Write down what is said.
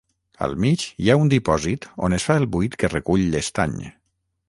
Al mig hi ha un dipòsit on es fa el buit que recull l'estany.